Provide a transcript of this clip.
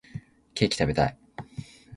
ケーキ食べたい